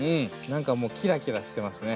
何かもうキラキラしてますね。